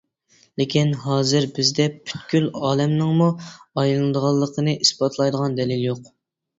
لېكىن ھازىر بىزدە پۈتكۈل ئالەمنىڭمۇ ئايلىنىدىغانلىقىنى ئىسپاتلايدىغان دەلىل يوق.